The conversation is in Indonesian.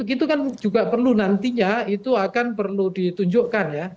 itu kan juga perlu nantinya itu akan perlu ditunjukkan ya